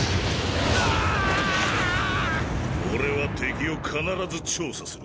俺は敵を必ず調査する。